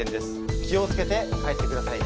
気を付けて帰ってくださいね。